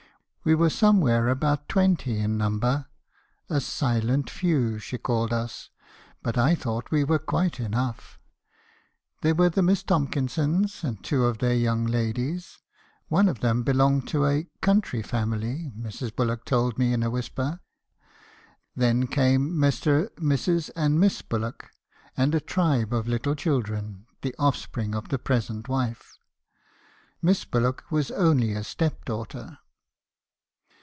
We were somewhere about twenty in number; a l silent few,' she called us; but I thought we were quite enough. There were the Miss Tomkinsons , and two of their young ladies — one of them belonged to a 4 county family,' Mrs. Bullock told me in a whisper; then came Mr. and Mrs. and Miss Bullock, and a tribe of little children, the offspring of the present wife. Miss Bullock was only a step daughter.